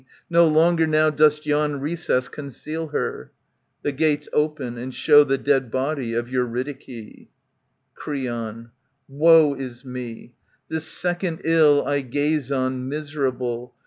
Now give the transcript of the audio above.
No longer now Does yon recess conceal her. \The gates open and show the dead body ^EURYDIKE.] Creon, Woe is me ! This second ill I gaze on, miserable.